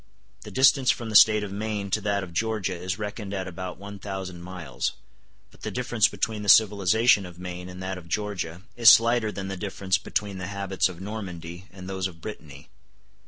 The distance from the State of Maine to that of Georgia is reckoned at about one thousand miles; but the difference between the civilization of Maine and that of Georgia is slighter than the difference between the habits of Normandy and those of Brittany.